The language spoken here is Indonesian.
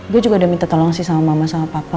gue juga udah minta tolong sih sama mama sama papa